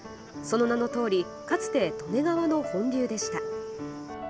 その名のとおりかつて利根川の本流でした。